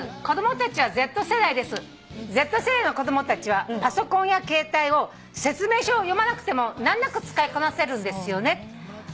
「子供たちはＺ世代です」「Ｚ世代の子供たちはパソコンや携帯を説明書を読まなくても難なく使いこなせるんですよね」